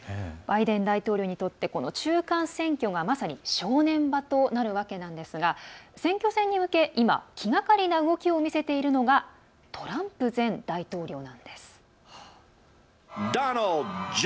バイデン大統領にとって中間選挙がまさに正念場となるわけなんですが選挙戦に向け今、気がかりな動きを見せているのがトランプ前大統領なんです。